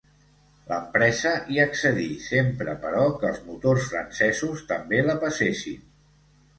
L'empresa hi accedí, sempre però que els motors francesos també la passessin.